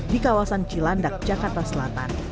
di kawasan cilandak jakarta selatan